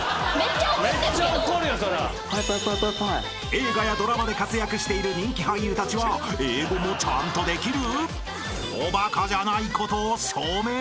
［映画やドラマで活躍している人気俳優たちは英語もちゃんとできる？］